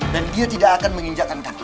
dan dia tidak akan menginjakkan kaki